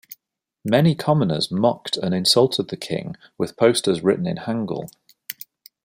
Many commoners mocked and insulted the king with posters written in hangul.